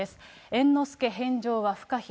猿之助返上は不可避。